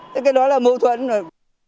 thế cái đó là mâu thuẫn rồi